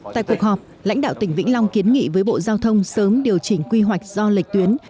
tại cuộc họp lãnh đạo tỉnh vĩnh long kiến nghị với bộ giao thông sớm điều chỉnh quy hoạch do lệch tuyến